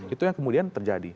itu yang kemudian terjadi